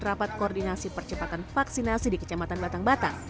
rapat koordinasi percepatan vaksinasi di kecamatan batang batang